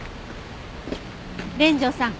連城さん